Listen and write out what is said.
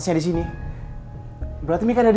mari mereka pak